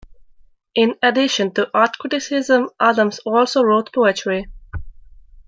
In addition to art criticism, Adams also wrote poetry.